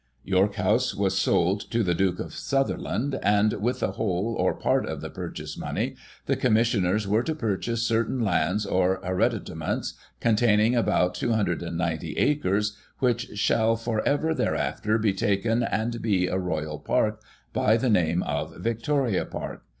York House was sold to the Duke of Sutherland, and with the whole, or part, of the purchase money, the Commissioners were to purchase certain lands or hereditaments containing about 290 acres, which "shall for ever, thereafter, be taken and be a Royal Park, by the name of * Victoria Park.'